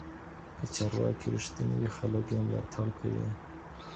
که چارواکي رښتيني وي خلګ يې ملاتړ کوي.